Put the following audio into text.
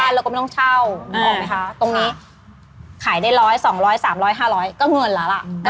บ้านเราก็ไม่ต้องเช่าตรงนี้ขายได้ร้อยสองร้อยสามร้อยห้าร้อยก็เงินแล้วล่ะ